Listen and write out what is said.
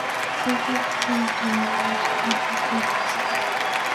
Religion continued to influence Barrington politics.